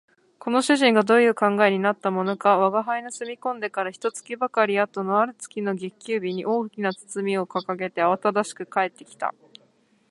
この主人がどういう考えになったものか吾輩の住み込んでから一月ばかり後のある月の月給日に、大きな包みを提げてあわただしく帰って来た